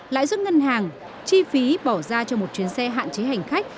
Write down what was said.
lãi suất ngân hàng chi phí bỏ ra cho một chuyến xe hạn chế hành khách